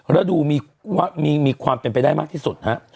แล้วดูมีความเป็นไปได้มากที่สุดฮะ